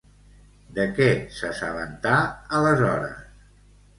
De què s'assabentà aleshores?